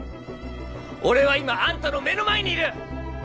俺は今アンタの目の前にいる！